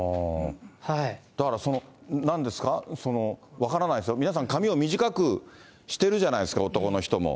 だからそのなんですか、分からないですよ、皆さん、髪を短くしてるじゃないですか、男の人も。